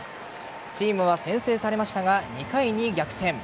チームは先制されましたが２回に逆転。